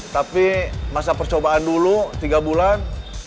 tapi masa percobaan dulu tiga bulan